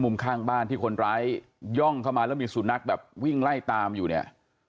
ข้างบ้านที่คนร้ายย่องเข้ามาแล้วมีสุนัขแบบวิ่งไล่ตามอยู่เนี่ย